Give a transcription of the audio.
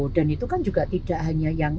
dan itu kan juga tidak hanya yang